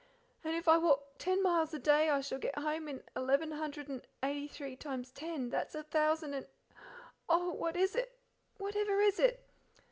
And if I walk ten miles a day I shall get home in eleven hundred and eighty three times ten, that's a thousand and and oh! what is it? whatever is it?